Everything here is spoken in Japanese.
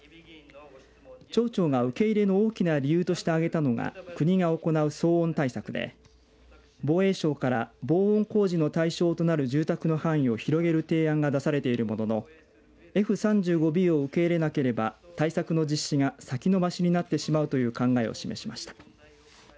町長が受け入れの大きな理由としてあげたのが国が行う騒音対策で防衛省から防音工事の対象となる住宅の範囲を広げる提案が出されているもののＦ３５Ｂを受け入れなければ対策の実施が先延ばしになってしまうという考えを示しました。